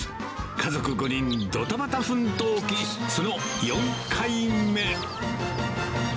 家族５人ドタバタ奮闘記その４回目。